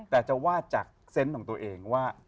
แต่จะวาดจากเซนต์ของตัวเองว่า